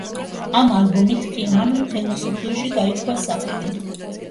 ამ ალბომით კი მან მთელ მსოფლიოში გაითქვა სახელი.